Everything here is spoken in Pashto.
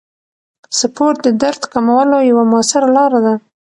سپورت د درد کمولو یوه موثره لاره ده.